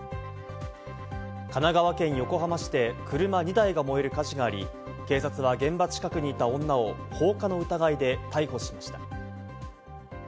神奈川県横浜市で、車２台が燃える火事があり、警察は現場近くにいた女を放火の疑いで逮捕しました。